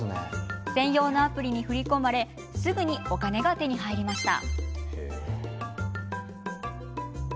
専用のアプリに振り込まれすぐにお金が手に入りました。